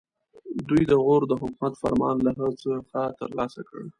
دوی د غور د حکومت فرمان له هغه څخه ترلاسه کړ.